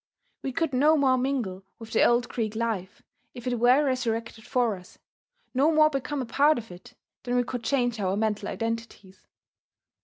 We could no more mingle with the old Greek life, if it were resurrected for us, no more become a part of it, than we could change our mental identities.